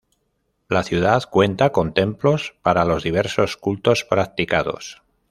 La ciudad cuenta con templos para los diversos cultos practicados.